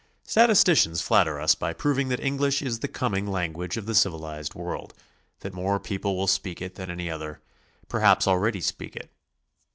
Statisticians flatter us by proving that English is the coming language of the civilized world, that more people will speak it than any other, perhaps already speak it.